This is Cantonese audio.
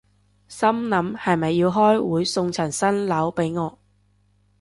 心諗係咪要開會送層新樓畀我